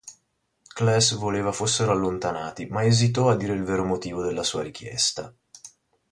Cles voleva fossero allontanati, ma esitò a dire il vero motivo della sua richiesta.